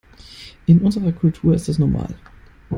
In unserer Kultur ist das normal.